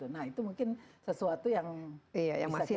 nah itu mungkin sesuatu yang kita jalankan